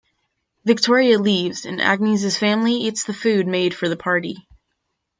Viktoria leaves and Agnes' family eats the food made for the party.